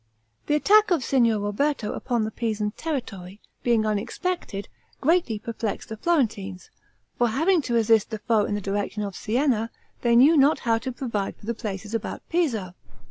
The attack of Signor Roberto upon the Pisan territory, being unexpected, greatly perplexed the Florentines; for having to resist the foe in the direction of Sienna, they knew not how to provide for the places about Pisa.